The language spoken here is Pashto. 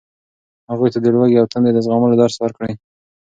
هغوی ته د لوږې او تندې د زغملو درس ورکړئ.